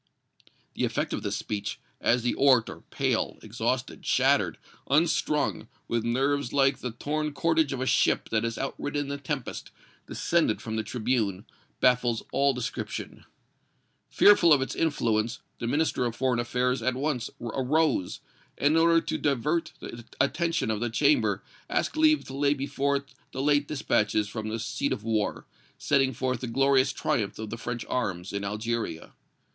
The effect of this speech, as the orator, pale, exhausted, shattered, unstrung, with nerves like the torn cordage of a ship that has outridden the tempest, descended from the tribune, baffles all description. Fearful of its influence, the Minister of Foreign Affairs at once arose, and in order to divert the attention of the Chamber asked leave to lay before it the late dispatches from the seat of war, setting forth the glorious triumphs of the French arms in Algeria.